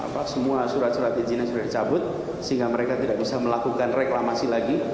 dan semua surat surat izinnya sudah dicabut sehingga mereka tidak bisa melakukan reklamasi lagi